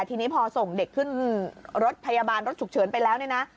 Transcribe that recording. ทีนี้พอส่งเด็กขึ้นรถพยาบาลรถฉุกเฉินไปแล้วเนี่ยนะ